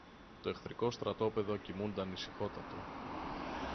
Το εχθρικό στρατόπεδο κοιμούνταν ησυχότατο.